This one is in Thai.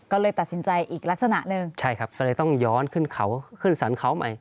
ก็เลยตัดสินใจอีกลักษณะหนึ่งใช่ครับก็เลยต้องย้อนขึ้นเขาขึ้นสรรเขาใหม่